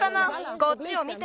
こっちを見て！